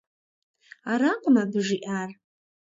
Аракъым абы жиӏар.